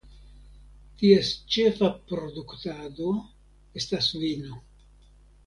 Ties ĉefa produktado estas vino.